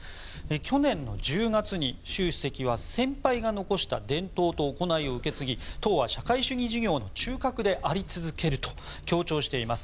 去年１０月に習主席は先輩が残した伝統と行いを受け継ぎ党は社会主義事業の中核であり続けると強調しています。